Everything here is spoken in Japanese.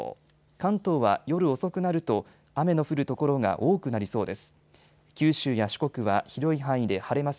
関東は夜遅くなると雨の降る所が多くなりそうです。